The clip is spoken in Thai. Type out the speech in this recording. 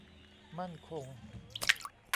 มั่นคง